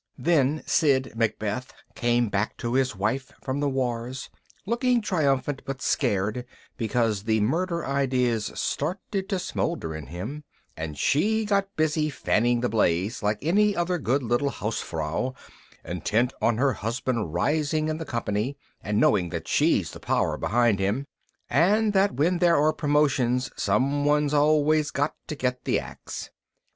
Then Sid Macbeth came back to his wife from the wars, looking triumphant but scared because the murder idea's started to smoulder in him, and she got busy fanning the blaze like any other good little hausfrau intent on her husband rising in the company and knowing that she's the power behind him and that when there are promotions someone's always got to get the axe.